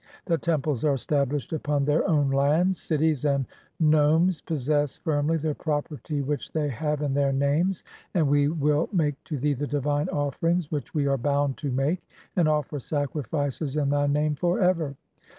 The temples are "stablished upon their own lands, cities and nomes (19) possess "firmly the property which they have in their names, and we "will make to thee the divine offerings which we are bound to "make, and offer sacrifices in thy name for ever.